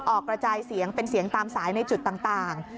กระจายเสียงเป็นเสียงตามสายในจุดต่าง